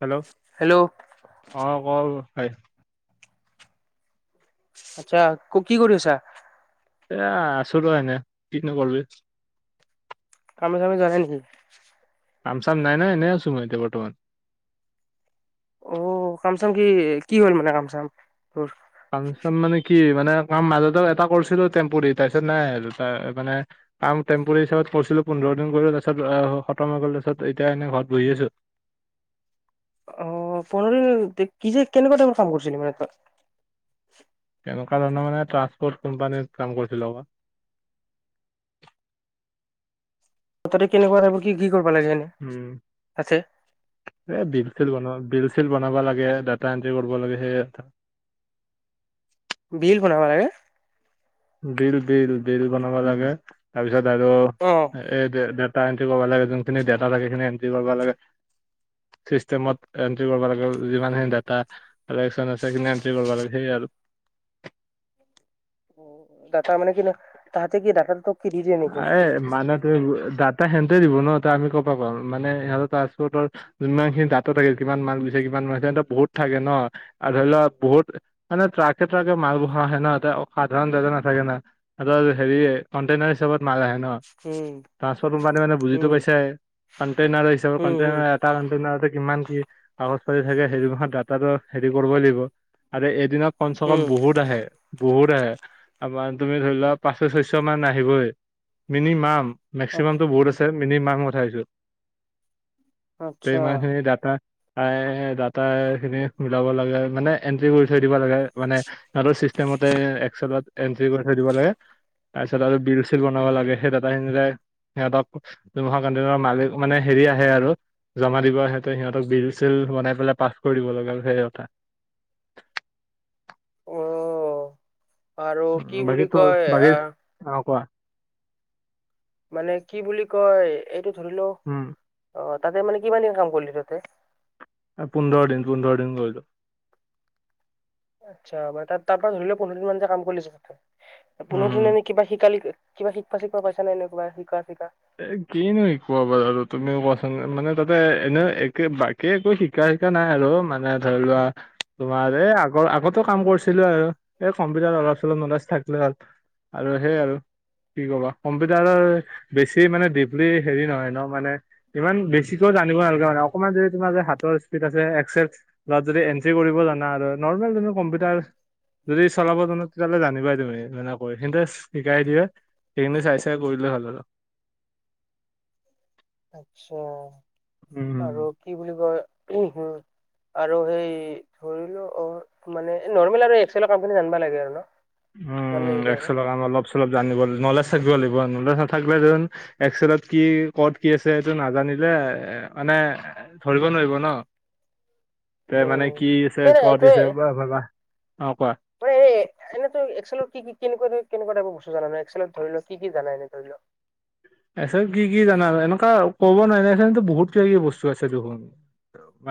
Hello hello অঁ call হয়। আচ্ছা' ক কি কৰি আছা? এ আছো আৰু এনেই, কিনো কৰিবি। কামে-চামে যোৱা নাই নিকি? কাম-চাম নাই নহয় এনেই আছো মই এতিয়া বৰ্তমান। অঁ' কাম-চাম কি কি হ'ল মানে কামচাম তোৰ? কাম-চাম মানে কি মানে কাম মাজতে এটা কৰিছিলো টেম্পুৱাৰি তাৰপিছত নাই আৰু ত' মানে- কাম টেম্পুৱাৰি হিচাপত কৰিছিলো পোন্ধৰদিন কৰিলো তাৰ পাছত অহ' খতম হৈ গ'ল তাৰ পাছত এতিয়া এনেই ঘৰত বহি আছো। অঁ, পুন্ধৰদিন কি যে কেনেকুৱা ধৰণৰ কাম কৰিছিলি মানে তাত? তেনেকুৱা ধৰণৰ মানে ট্ৰাছপৰ্ট কোম্পানীত কৰিছিলো আক ত তাতে কেনেকুৱা টাইপৰ কি কি কৰিব লাগে এনে উম তাতে এই বিল চিল বনোৱা বিল চিল বনাব লাগে ডাটা এন্ট্ৰি কৰিব লাগে সেই বিল বনাব লাগে বিল বিল বিল বনাব লাগে তাৰ পিছত আৰু অ এই ডে ডেটা এণ্ট্ৰি কৰিব লাগে যোনখিনি ডেটা থাকে সেইখিনি এণ্ট্ৰি কৰিব লাগে চিষ্টেমত এন্ট্ৰি কৰিব লাগে যিমানখিনি ডাটা কালেকশ্যন আছে সেইখিনিয়ে এণ্ট্ৰি কৰিব লাগে সেই আৰু অ অ দাটা মানে কি নু তাহাতে কি দাটাটো কি দি দিয়ে নেকি আ এ মানে তুম দাটা সিহঁতে দিব ন ত আমি ক' পা পাম মানে সিহঁতৰ পাছপৰ্টৰ যিমানখিনি ডাটা থাকে কিমান মাক্স গৈছে কিমান মাক্স বহুত থাকে ন আৰু ধৰি ল বহুত মানে ট্ৰাকে ট্ৰাকে মাল বহা আহে তে সাধাৰণ ডাটা নাথাকে না এই যে হেৰি কনটেইনাৰ হিচাপত মাল আহে অ উম ট্ৰানসপৰ্ট কোম্পানী মানে বুজি উম পাইছাই কনটেইনাৰ হিচাপত উম উম কনটেনাৰ কাৰণ তেনেহলে কিমান কি কাগজ পাতি থাকে সেইটো মাহত দাতাটো হেৰি কৰিবই লাগিব আৰু এদিনত কমচে কম উম বহুত আহে বহুত আহে আমাৰ তুমি ধৰি লোৱা পাঁচশ ছয়শ মান আহিবই মিনি মাম মেক্সিমামটো বহুত আছে মিনি মাম কথাছো তে আচ্ছা ইমানখিনি ডাটা তাই দাটাই খিনি মিলাব লাগে মানে এণ্ট্ৰি কৰি থৈ দিব লাগে মানে সিহঁতৰ চিষ্টেমতে একচেলত এণ্ট্ৰি কৰি থৈ দিব লাগে তাৰপিছত আৰু বিল চিল বনাব লাগে সেই ডাটাখিনিলে সিহঁতক দুমাহৰ কানটিনৰ মালিক মানে হেৰি আহে আৰু জমা দিব হেতে সিহঁতক বিল চিল বনাই পেলাই পাছ কৰি দিব লগা সেই কথা অ আৰু কি উম বাকী বুলি তোৰ কয় বাকী আহ অ কোৱা মানে কি বুলি কয় এইটো ধৰিলও উম অ তাতে মানে কিমান দিন কাম কৰিলি তহতে এ পোন্ধৰ দিন পোন্ধৰ দিন কৰিলো আচ্ছা বা তাত তাৰ পৰা ধৰি লও পোন্ধৰ দিন মান যে কাম কৰিছে ক উম পোন্ধৰ হম দিন এনে কিবা শিকালি কিবা শিকপা চিকপা পাইছা নে এনেকুৱা শিকা চিকা এ কিনো শিকোৱা বাৰু আৰু তুমিও কোৱাচান মানে তাতে এনে একে বাক কে একো শিকা চিকা নাই আৰু মানে ধৰি লোৱা তোমাৰ এই আগৰ আগত টো কাম কৰিছিলো আৰু এই কম্পিউটাৰ অলপ চলপ নলেজ থাকিলে আ আৰু সেইয়ে আৰু কি ক'বা কম্পিউটাৰৰ বেছি মানে দিপলি হেৰি নহয় ন মানে ইমান বেছিকেও জানিব নালগে মানে অকণমান যদি তোমাৰ যে হাতৰ স্পীড আছে একচেছ লাৰ যদি এন চি কৰিব জানা আৰু নৰ্মেল ধৰা কম্পিউটাৰ যদি চলাব জানা তেতিয়াহ'লে জানিবাই তুমি এনেকৈ কিন্তু শিকাই দিয়ে এই খিনি চাই চাই কৰিলেই হ'ল আৰু আচ্ছা উম আৰু কি বুলি কয় উম হো আৰু সেই ধৰি লোৱা অ মানে নৰ্মেল আৰু এক্সেলৰ কামখিনি জানিবা লাগে আৰু ন জানলি হৈ যায় আৰু। এক্সেলৰ অলপ চলপ জানিব নলেজ থাকিব লাগিব নলেজ নাথাকিলে যেন। এক্সেলত কি ক'ত কি আছে এইটো নাজানিলে মানে ধৰিব নোৱাৰিব ন। এ মানে উম কি আছে তই কত তই দিছে বা ভাবা, অ কোৱা। মানে এনেইতো এক্সেলত কি কেনেৱা কেনেকুৱা টাইপৰ বস্তু জান একসেলত ধৰি ল কি জানা এনে ধৰি লোৱা। আছে কি জানা এনেকুৱা ক'ব নোৱাৰ নাই বহুত কিব কিবি বস্তু আছে দেখোন।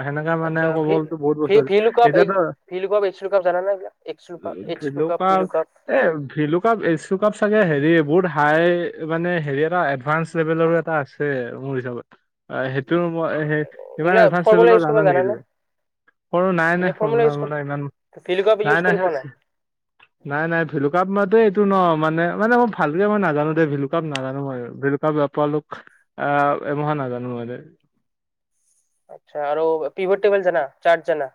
সেনেকাে মানে আচ্ছা কব ভি গতো বহুত ভি বছৰ ভি লুকআপ এতিয়াতো। ভি লুকআপ এইচ লুকআপ জানা না এইবিলাক এইচ লুকআপ এইচ লোক। লুকআপ ভি লুকআপ এ ভিলুকাপ এচুকাপ চাগে হেৰি বহুত হাই মানে হেৰি এ এডভানস লেভেলৰো এটা আছে আৰু মোৰ হিচাপত। অ সেইটো মই ইমান এইবিলাক এডভাস ফৰ্মুলা লেভেলত ইউজ কৰিব জানা নেকি জানানে? তুমি? সৰু নাই এনে নাই ফৰ্মুলা ফৰ্মলা ইউজ কৰি ফৰ্মলা ইমান, ভিলুকাপ ইউজ নাই কৰি নাই সে হৈছে। [inaudible] নাই নাই ভিলু কাপ মাতে এইটো ন মানে মানে মই ভালকে মই নাজানো দে ভিলুকাপ নাজানো মই। বলেকা বেপাৰ লোক আহ এমহে নাজানো মানে। আচ্ছা আৰু কিবোদ তিবোদ যানা চাট জানা?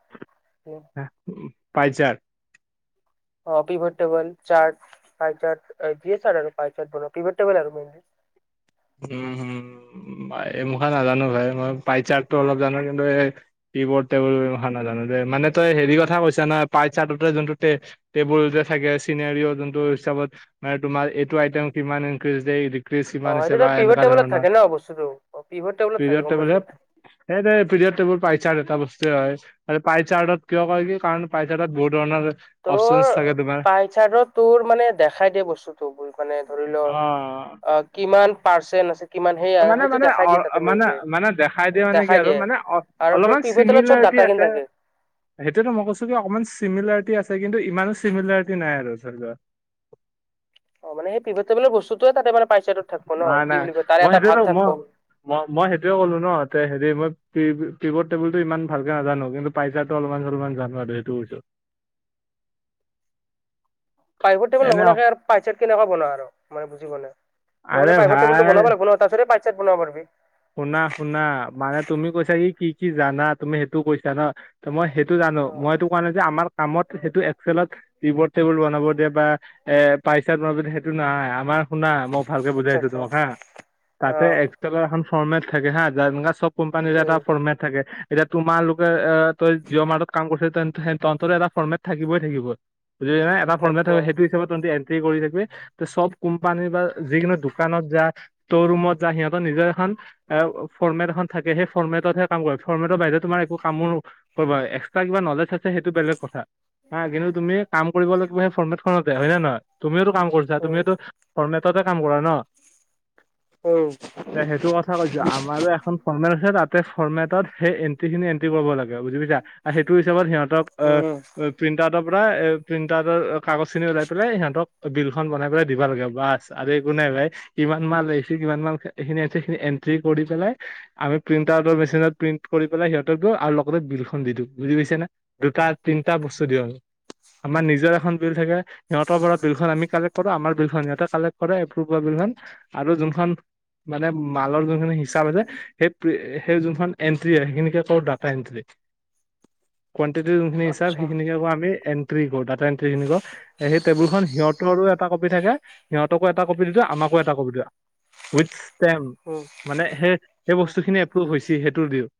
উ পাই যাৰ। অ পিভাৰটেবলাৰ চাটচ পাই চাচ আৰু যি চাচ পাই চাচ পিভাৰটেবল আৰু মেইনলি। উম হম এ মুখা নাজানো ভাই মই পাইছাৰটো অলপ জানো কিন্তু এই। কি বৰ্ড টেবুল এই মাখা নাজানো যে মানে তই হেৰি কথা কৈছা নয় পাইচাতে যোনটো- টেবুল যে থাকে চিনোৰীয়ো যোনটো হিচাপত মানে তোমাৰ এইটো আইটেম কিমান ইনক্ৰিজ দেই- ডিক্ৰিচ কিমান হৈছে। এইটো বা কিবোড এনেকুৱা টেবুলত ধৰণৰ থাকে ন বস্তুতো কিবোড টেবুলত থাকে গম পাইছো। এই যে পিৰিয়ড টেবোল পাইজাৰ এটা বস্তুৱে হয়। আৰু পাইচাৰ্ত কিয় কৰে কি কাৰণ পায়চাৰ্ত বহুত ধৰণৰ- তোৰ, অপচনচ থাকে তোমাৰ পাইচাডত তোৰ মানে দেখাই দিয়ে বস্তুতো বহুত মানে ধৰি লও। অহ। অহ কিমান পাৰ্চেন্ট আছে। কিমান সেয়া মানে সেইটো মানে দেখাই অ দিয়ে তাতে মানে মেইনলি মানে দেখাই দিয়ে মানে কি দেখাই আৰু দিয়ে। মানে অ আৰু তোৰ অলপমান- পিভট টেবুলত চব চিমিলাৰিটি ডাটাখিনি আছে। থাকে। সেইটোটো মই কৈছো কি অকমান চিমিলাৰিটি আছে কিন্তু ইমানো চিমিলাৰিটি নাই আৰু ধৰি লোৱা। অ মানেই পিভাৰ টেবুলৰ বস্তুটোয়ে ততে মানে পাইচাত থাকিব ন কি বুলি কয় তাৰে এটা ভাগ থাকিব। ম মই সেইটোয়ে ক'লো ন হেৰি মই কিবোৰ্ড টেবুল টো ইমান ভালকে নাজানো কিন্তু- পইজাৰতো অলপমান চলপমান জানো আৰু এইটো কৈছো। [inaudible] প্ৰাইভাৰ টেবুল এনে অ- নবোনোৱাকে আৰু পাইজাৰচ কেনেকুৱাকে বনও আৰু বুজি আৰে মানে মাইভ টেবুল টো ভাই বনাব লাগিবন। পাছতহে পাইচেত বনাবো পাৰিবি। শুনা শুনা মানে তুমি কৈছা কি কি জানা তুমি সেইটো কৈছা ন। ত মই সেইটো জানো অ মই এইটো কোৱা নাই যে আমাৰ কামত সেইটো এক্সেলত- কিবোৰ্ড টেবুল বনাব দিয়ে বা এ পইচাট বনাব দিয়ে সেইটো নাই আমাৰ- শুনা মই ভালকে আচ্ছা বুজাইছো আচ্ছা তোমাক হা, অ তাতে এক্সেলৰ এখন ফৰ্মেট থাকে হা যা যেনেকা চব- কোম্পানীৰ এটা উম ফৰ্মেট থাকে এতিয়া তোমালোকে এ তই- জিঅ' মাতৰ্ত কাম কৰিছে তন্তৰ এটা ফৰ্মেট থাকিবই থাকিব। বুজি পা নাই এটা ফৰ্মেট থাকিব সেইটো হিচাপে ত তন্তে ই কৰি থাকিবি। চব কোম্পানী বা যিকোনো দোকানত যা শ'ৰুমত যা সিহঁতৰ নিজৰ এখন। এই ফৰ্মেট এখন থাকে, সেই ফৰ্মেটতহে কাম কৰে। ফৰ্মেটৰ বাহিৰে তোমাৰ একো কামো না পাবা, এক্সট্ৰা কিবা নলেজ আছে সেইটো বেলেগ কথা হা, কিন্তু তুমি কাম কৰিব লাগিব সেই ফৰ্মেটখনতে হয় নে নহয় তুমিওটো কাম কৰিছা, উম তুমিওটো ফৰ্মেটতে কাম কৰা ন। উম থা কৈছো, আমাৰো এখন ফৰ্মেট আছে তাতে ফৰ্মেটত সেই এন্ট্ৰি খিনি এণ্ট্ৰি কৰিব লাগে বুজি পাইছা। আৰু সেইটো হিচাপত সিহঁতক উম আঁহ প্ৰিণ্ট আউত পৰাই এ প্ৰিণ্টাৰটৰ কাগজ খিনি ওলাই পেলাই সিহঁতক বিল খন বনাই পেলাই দিবা লাগে বাচ আৰু একো নাই ভা, ‌ ইমান মাল আহি কিমান মাল এই খিনি যিখিনি এন ণ্টি কৰি পেলাই আমি প্ৰিন্ট আউটৰ মেচিনত প্ৰিন্ট কৰি পেলাই সিহঁতক দিওঁ, আৰু লগতে বিলখন দি দিওঁ। বুজি পাইছা না, দুটা তিনিটা বস্তু দিওঁ আৰু। আমাৰ নিজৰ এখন বিল থাকে সিহঁতৰ পৰা বিলখন আমি কালেক্ট কৰো, আমাৰ বিলখন সিহঁতে কালেক্ট কৰে। টো পৰা বিলখন, আৰু যোনখন মানে মাত যোনি খিনি হিচাপ আছে, সেই সেই যোনখন এন্ট্ৰি হয় সেইখিনিকে তোৰ ডাটা এন্ট্ৰী। কোৱান্তিটি যোনখিনি হিচাপ, আচ্ছা সেইখিনিক আমি এন্ট্ৰি কৰো, ডাটা এন্ট্ৰিখিনি কওঁ। সেই টেবুলখন সিহঁতৰো এটা কপি থাকে, সিহঁতকো এটা কপি দি দিওঁ, আমাকো এটা কপি দিয়ে। উইথ ষ্টেম, উম মানে সেই সেই বস্তুখিনি এপ্ৰুভ হৈছে সেইটো দিওঁ।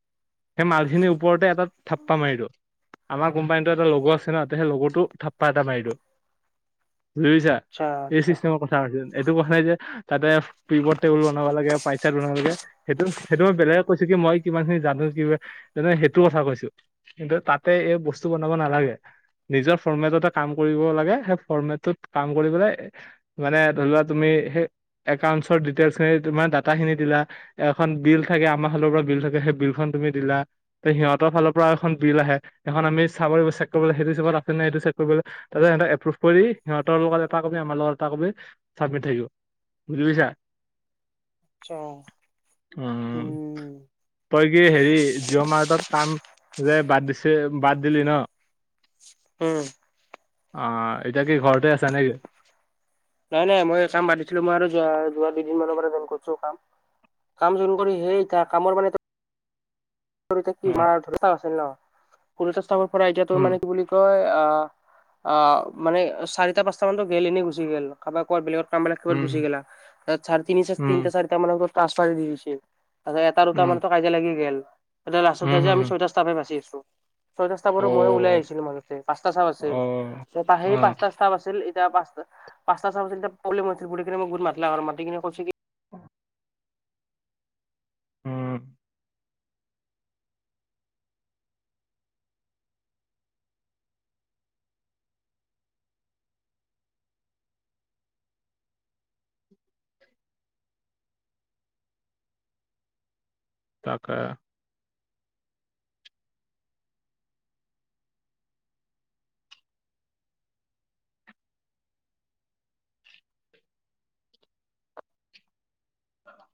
সেই মালখিনিৰ ওপৰতে এটা থাপ্পা মাৰি দিওঁ।। আমাৰ কোম্পানীতো এটা লগৰ আছে ন, তে সেই লগটো থাপ্পা এটা মাৰি দিওঁ। বুজিছা আচ্ছা এই আচ্ছা চিষ্টেমৰ চাৰজেৰ্ছ এইটো কোৱা নাই যে তাতে পিপৰ তেউল বনাব লাগে। চেত বনোৱা মানুহ যে, সেইটো সেইটো বেলেগে কৈছো কি মই কিমান খিনি জানো কি তেনে সেইটো কথা কৈছো। কিন্তু তাতে এই বস্তু বনাব নালাগে। নিজৰ ফৰ্মেটতে কাম কৰিব লাগে, সেই ফৰ্মেটটোত কাম কৰি পেলাই মানে ধৰি লোৱা তুমি সেই একাউন্টচৰ ডিটেইলচ খিনি তোমাৰ দা তা খিনি দিলা, এখন বিল থাকে আমাৰ ফালৰ পৰা বিল থাকে সেই বিলখন তুমি দিলা। তে সিহঁতৰ ফালৰ পৰা এখন বিল আহে, এখন আমি চাব চেক কৰিবলৈ সেইটো হিচাপত আছে নাই সেইটো চেক কৰিবলৈ। তাৰপাছত সিহঁতক এপ্ৰভ কৰি সিহঁতৰ লগত এটা কবি আমাৰ লগত এটা কবি চাবমিট থাকিব। বুজি পাইছা। ছোঁ অঁ। উম তই কি হেৰি জিঅ' মাৰ্টত কাম যে বাদ দিছে বাদ দিলি ন। উম। অঁ, এতিয়া কি ঘৰতে আছ নে কি? নাই নাই মই কাম বাদ দিছিলো মই আৰু যো যোৱা দুইদিন মানৰ পৰাই কৰিছো কাম। কাম জইন কৰি সেই তাৰ কামৰ মানে কি অ মাৰ ধৰস্তা আছিল ন, প চাবৰ পৰা এতিয়া তোৰ মানে উম কি বুলি তই অঁ অঁ মানে চাৰিটা পাঁচটা মানতো গে'ল এনেই গুচি গে'ল কাৰাবাৰ ক বেলেগত কাম বিলাক কিহত উম ঘুচি গেলা, তাত চাৰে তিনিশ উম তিনিটা চাৰেটা মানৰ ঘৰত ত আশ্ৰই দি দিছে। তাৰপাছত এটা দুটা উম মানো কাজিয়া লাগি গেল, এতিয়া লাষ্টত উম যাই যে হুম আমি ছয়টা ষ্টাফে বাচি আছো। ছয়টা ষ্টাফ বাৰু অ মই উলাই আহিছিলো, মাজতে পাঁচটা ষ্টাফ আছিল। অ চে, সেই অ পাঁচটা ষ্টাফ আছিল, এতিয়া পাঁচটা পাঁচটা ষ্টাফ আছিল, তেতিয়া প্ৰব্লেম হৈছিল, বুলি কেনে মাতিলে আৰ মাতি কিনে কৈছে কি অ উম। তাকে। অ'।